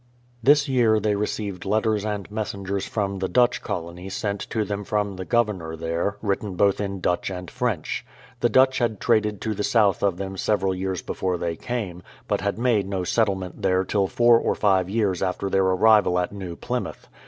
This year they received letters and messengers from the Dutch colony sent to them from the Governor there, written both in Dutch and French. The Dutch had traded to the south of them several years before they came, but had made no settlement there till four or five years after their arrival at New Plymouth.